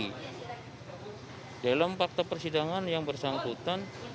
jadi dalam fakta persidangan yang bersangkutan